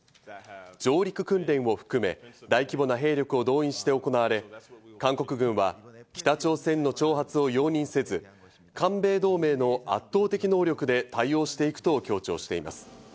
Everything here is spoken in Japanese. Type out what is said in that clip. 上陸訓練を含め、大規模な兵力を動員して行われ、韓国軍は北朝鮮の挑発を容認せず、韓米同盟の圧倒的能力で対応していくと強調しています。